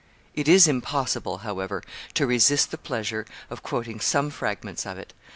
It is impossible, however, to resist the pleasure of quoting some fragments of it.